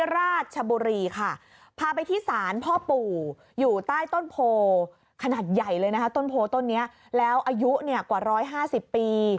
ลดโพะต้นนี้และอายุกว่า๑๕๐ปี